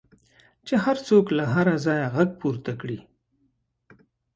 چې هر څه له هره ځایه غږ پورته کړي.